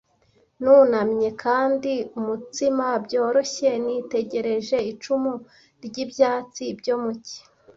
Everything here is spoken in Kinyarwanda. Nunamye kandi umutsima byoroshye nitegereje icumu ryibyatsi byo mu cyi.